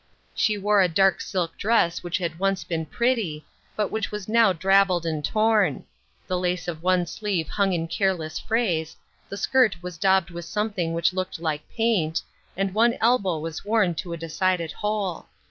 She wore a dark silk dress which had once been pretty, but which was now drabbled and torn ; the lace of one sleeve hung in careless frays, the skirt was daubed with some thing which looked like paint, and one elbow was worn to a decided hole.